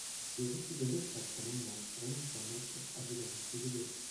Die richtige Mitverbrennung nach strengen Standards ist also der richtige Weg.